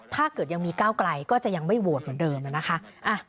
ถ้าเกิดยังมีก้าวไกลก็จะยังไม่โหวตเหมือนเดิมนะคะ